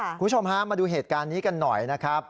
คุณผู้ชมฮะมาดูเหตุการณ์นี้กันหน่อยนะครับ